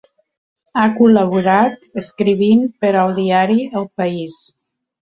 Ha col·laborat escrivint per al diari El País.